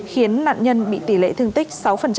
khiến nạn nhân bị tỷ lệ thương tích sáu